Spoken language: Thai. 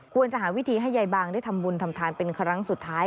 ควรจะหาวิธีให้ยายบางได้ทำบุญทำทานเป็นครั้งสุดท้าย